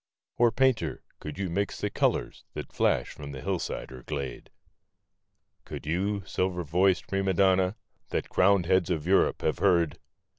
Or, Painter, could you mix the colors that flash from the hillside or glade? Could you, silver voiced Prima Donna, that crowned heads of Europe have heard.